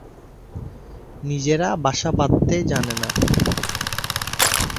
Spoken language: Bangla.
নিজেরা বাসা বাঁধতে জানে না।